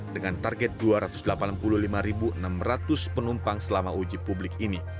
dengan target dua ratus delapan puluh lima enam ratus penumpang selama uji publik ini